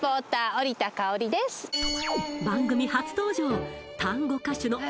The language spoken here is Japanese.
番組初登場